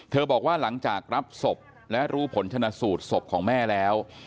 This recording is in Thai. บอกว่าหลังจากรับศพและรู้ผลชนะสูตรศพของแม่แล้ว